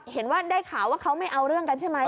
เห็นว่าได้ข่าวว่าเขาไม่เอาเรื่องกันใช่ไหม